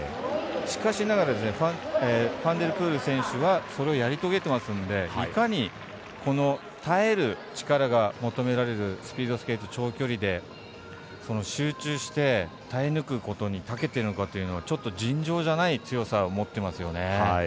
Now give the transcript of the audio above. しかしながらファンデルプール選手はそれをやり遂げてますのでいかに、耐える力が求められるスピードスケート長距離で集中して耐え抜くことにたけてるのかというのはちょっと尋常じゃない強さを持っていますよね。